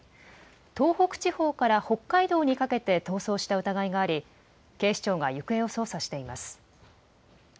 東北地方から北海道にかけて逃走した疑いがあり警視庁が行方を捜査しています。